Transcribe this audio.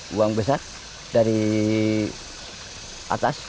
buang besar dari atas